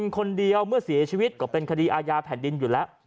คนเดียวเมื่อเสียชีวิตก็เป็นคดีอาญาแผ่นดินอยู่แล้ว